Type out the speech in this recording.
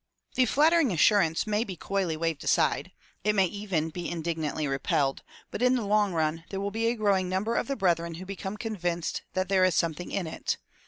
The flattering assurance may be coyly waived aside; it may even be indignantly repelled; but in the long run there will be a growing number of the brethren who become convinced that there is something in it.